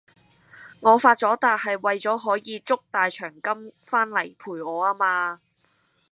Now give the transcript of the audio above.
我發咗達係為咗可以捉大長今翻來陪我啊嘛!